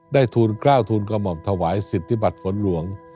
ทูลกล้าวทูลกระหม่อมถวายสิทธิบัตรฝนหลวง